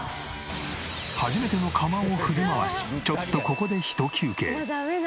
初めての鎌を振り回しちょっとここでひと休憩。